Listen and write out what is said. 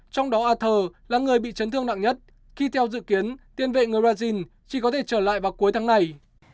trong đó arthur là người bị chấn thương nặng nhất khi theo dự kiến tiên vệ người brazil chỉ có thể trở lại vào cuối tháng này